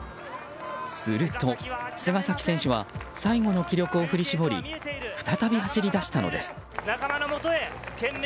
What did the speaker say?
すると、菅崎選手は最後の気力を振り絞り再び走り出したのです。